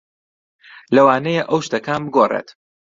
لەوانەیە ئەوە شتەکان بگۆڕێت.